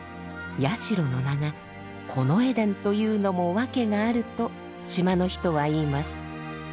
社の名が「近衛殿」というのも訳があると島の人は言います。